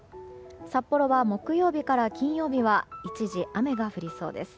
札幌は木曜日から金曜日は一時雨が降りそうです。